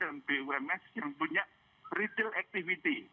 dan bums yang punya retail activity